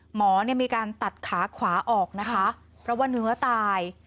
หมอมีการตัดขาขวาออกเพราะว่าเนื้อตาย